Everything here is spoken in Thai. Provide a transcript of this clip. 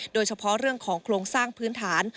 โดยเฉพาะเรื่องของโครงสร้างพื้นฐาน